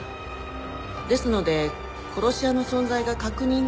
ですので殺し屋の存在が確認できたのみです。